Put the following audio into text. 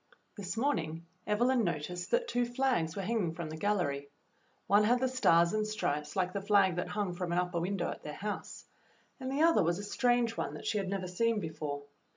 This morning Evelyn noticed that two flags were hanging from the gallery. One had the stars and stripes like the flag that hung from an upper win dow at their house, and the other was a strange one that she had never seen before.